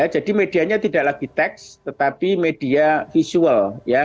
jadi medianya tidak lagi teks tetapi media visual